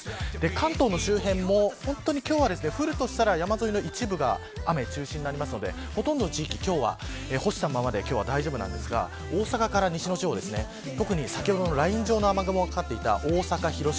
関東の周辺も今日は降るとしたら山沿いの一部が雨中心になりますのでほとんどの地域今日は干したままで大丈夫ですが大阪から西の地方特に先ほどのライン状の雨雲が掛かっていた大阪、広島